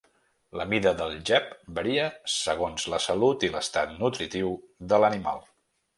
La mida del gep varia segons la salut i l'estat nutritiu de l'animal.